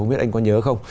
không biết anh có nhớ không